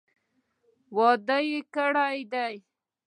واده کړي دي.